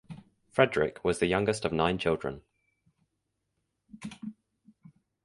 Fredrik was the youngest of nine children.